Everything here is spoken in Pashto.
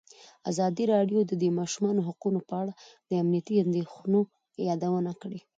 ازادي راډیو د د ماشومانو حقونه په اړه د امنیتي اندېښنو یادونه کړې.